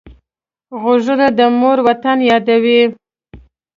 غوږونه د مور وطن یادوي